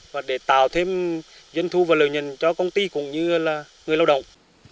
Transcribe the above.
và để tạo thêm doanh thu và lợi nhận cho công ty cũng như là người lao động